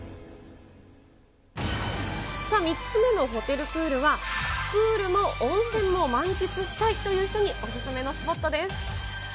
さあ、３つ目のホテルプールは、プールも温泉も満喫したいという人にお勧めのスポットです。